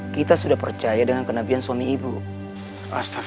kamu kekasih allah